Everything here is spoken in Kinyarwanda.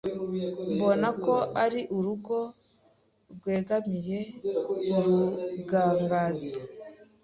Mbona ko ari urugo rwegamiye urugangazi